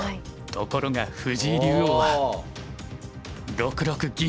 ところが藤井竜王は６六銀。